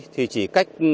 thì chỉ cách